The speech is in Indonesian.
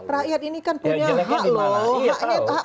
rakyat ini kan punya hak loh